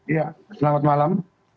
iya selamat malam